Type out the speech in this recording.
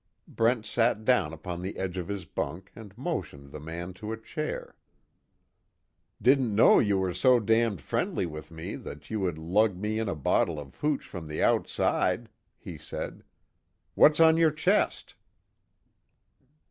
Brent sat down upon the edge of his bunk and motioned the man to a chair: "Didn't know you were so damned friendly with me that you would lug me in a bottle of hooch from the outside," he said, "What's on your chest?"